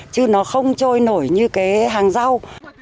chứ nó không trôi nổi như cái hàng rau